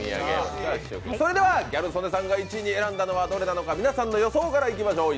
ギャル曽根さんが１位に選んだのはどれなのか、皆さんの予想からいきましょう。